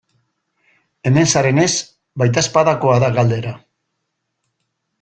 Hemen zarenez, baitezpadakoa da galdera.